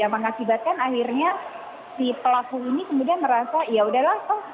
yang mengakibatkan akhirnya si pelaku ini merasa ya sudah lah